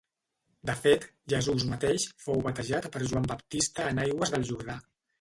De fet, Jesús mateix fou batejat per Joan Baptista en aigües del Jordà.